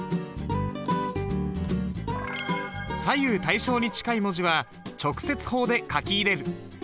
左右対称に近い文字は直接法で書き入れる。